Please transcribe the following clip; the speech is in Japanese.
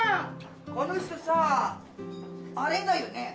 この人さあれだよね？